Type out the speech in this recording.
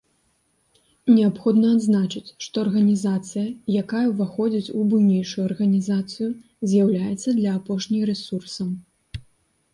Неабходна адзначыць, што арганізацыя, якая ўваходзіць у буйнейшую арганізацыю, з'яўляецца для апошняй рэсурсам.